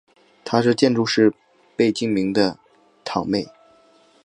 她是建筑师贝聿铭的堂妹。